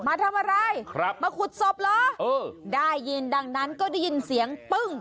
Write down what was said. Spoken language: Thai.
มาทำอะไรครับมาขุดศพเหรอเออได้ยินดังนั้นก็ได้ยินเสียงปึ้ง